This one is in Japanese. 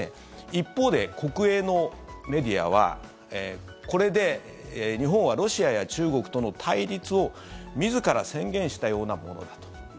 一方で、国営のメディアはこれで日本はロシアや中国との対立を自ら宣言したようなものだと。